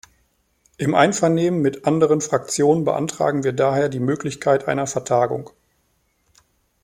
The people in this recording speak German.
Im Einvernehmen mit anderen Fraktionen beantragen wir daher die Möglichkeit einer Vertagung.